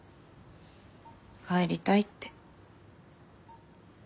「帰りたい」って。